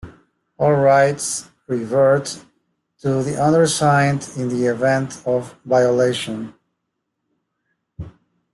All rights revert to the undersigned in the event of violation.